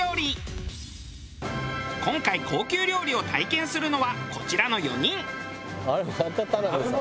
今回高級料理を体験するのはこちらの４人。